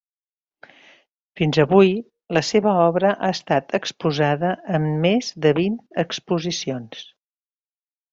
Fins avui, la seva obra ha estat exposada en més de vint exposicions.